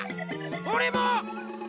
おれも！